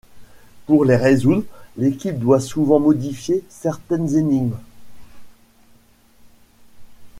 Pour les résoudre, l’équipe doit souvent modifier certaines énigmes.